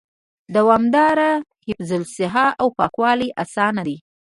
دوامدار حفظ الصحه او پاکوالي آسانه دي